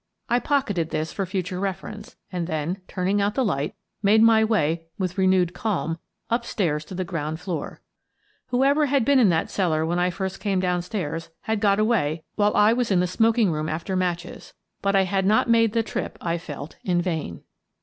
I pocketed this for future reference and then, turning out the light, made my way, with renewed calm, up stairs to the ground floor. Whoever had been in that cellar when I first came down stairs had got away while I was in the smoking room 68 Miss Frances Baird, Detective after matches, but I had not made the trip, I felt, in vain.